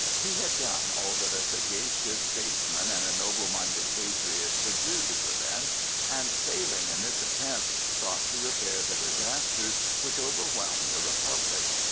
He had done all that a sagacious statesman and a noble minded patriot could do to prevent, and failing in this attempt, sought to repair the disasters which overwhelmed the Republic.